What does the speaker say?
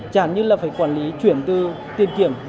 chẳng như là phải quản lý chuyển từ tiền kiểm